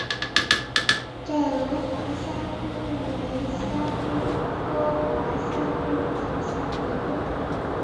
窄额滑虾蛄为虾蛄科滑虾蛄属下的一个种。